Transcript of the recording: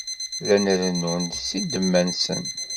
Llan rennun-d seg ddemma-nsen.